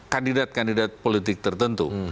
kandidat kandidat politik tertentu